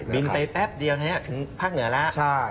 ไปแป๊บเดียวถึงภาคเหนือแล้ว